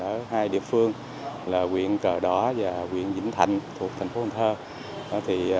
ở hai địa phương là quyện cờ đỏ và quyện vĩnh thạnh thuộc thành phố cần thơ